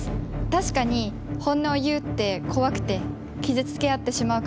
確かに本音を言うって怖くて傷つけ合ってしまう可能性もあるし